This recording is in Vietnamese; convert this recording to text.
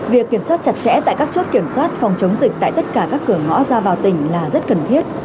việc kiểm soát chặt chẽ tại các chốt kiểm soát phòng chống dịch tại tất cả các cửa ngõ ra vào tỉnh là rất cần thiết